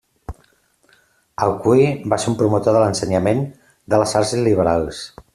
Alcuí va ser un promotor de l'ensenyament de les arts liberals.